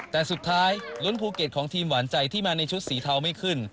แต่สุดท้ายลุ้นภูเก็ตของทีมหวานใจที่มาในชุดสีเทาไม่ขึ้น